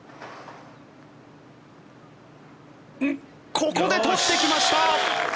ここで取ってきました！